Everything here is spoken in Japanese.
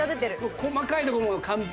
細かいとこも完璧！